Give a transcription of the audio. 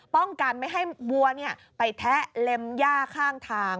ป้องกันไม่ให้วัวไปแทะเล็มย่าข้างทาง